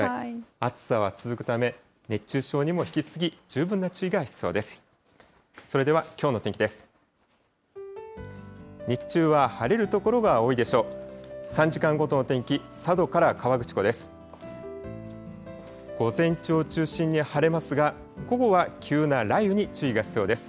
暑さは続くため、熱中症にも引き続き十分な注意が必要です。